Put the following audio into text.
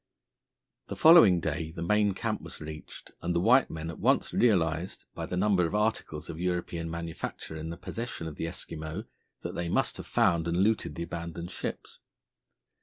The following day the main camp was reached, and the white men at once realised, by the number of articles of European manufacture in the possession of the Eskimo, that they must have found and looted the abandoned ships.